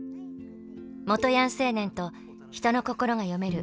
元ヤン青年と人の心が読める